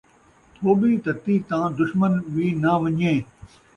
تھوٻی تتی تاں دشمن وی ناں ونڄے